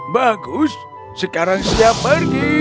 bagus sekarang siap pergi